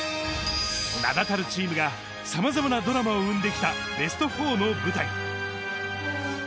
名だたるチームがさまざまなドラマを生んできたベスト４の舞台。